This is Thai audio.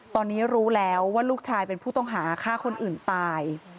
ตอนนี้รู้แล้วว่าลูกชายเป็นผู้ต้องหาฆ่าคนอื่นตาย